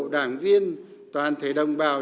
đảng viên toàn thể đồng bào